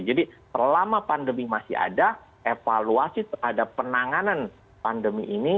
selama pandemi masih ada evaluasi terhadap penanganan pandemi ini